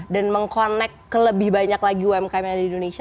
dan meng connect ke lebih banyak lagi umkm yang ada di indonesia